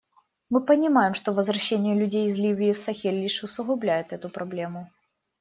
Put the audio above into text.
Мы понимаем, что возвращение людей из Ливии в Сахель лишь усугубляет эту проблему.